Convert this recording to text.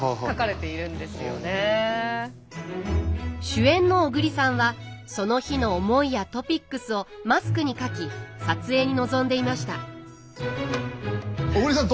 主演の小栗さんはその日の思いやトピックスをマスクに書き撮影に臨んでいました小栗さん